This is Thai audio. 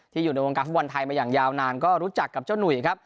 อยู่ในวงการฟุตบอลไทยมาอย่างยาวนานก็รู้จักกับเจ้าหนุ่ยครับ